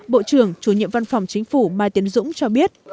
bộ trưởng chủ nhiệm văn phòng chính phủ mai tiến dũng cho biết